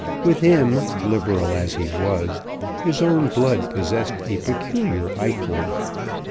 With him, Liberal as he was, his own blood possessed a peculiar ichor.